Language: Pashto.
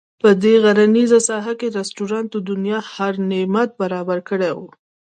په دې غرنیزه ساحه کې رسټورانټ د دنیا هر نعمت برابر کړی وو.